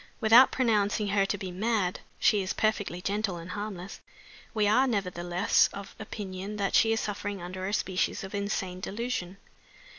Without pronouncing her to be mad she is perfectly gentle and harmless we are nevertheless of opinion that she is suffering under a species of insane delusion.